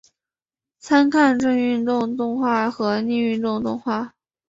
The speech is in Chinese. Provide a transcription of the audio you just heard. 参看正运动动画和逆运动动画。